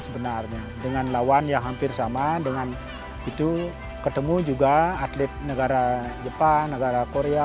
sebenarnya dengan lawan yang hampir sama dengan itu ketemu juga atlet negara jepang negara korea